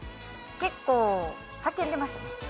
結構、叫んでました。